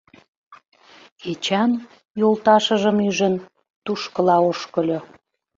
Эчан, йолташыжым ӱжын, тушкыла ошкыльо.